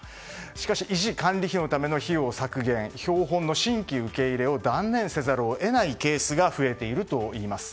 しかし維持・管理費のための費用削減標本の新規受け入れを断念せざるを得ないケースが増えているといいます。